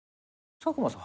佐久間さん